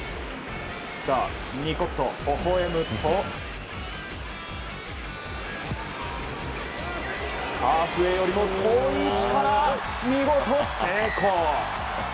ニコッと、ほほ笑むとハーフウェーよりも遠い位置から見事成功！